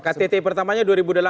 ktt pertamanya dua ribu delapan